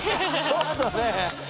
ちょっとね。